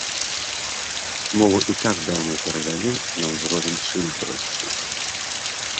Мову і так даўно перавялі на ўзровень шыльдавасці.